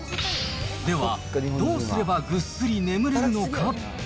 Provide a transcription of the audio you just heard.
では、どうすればぐっすり眠れるのか。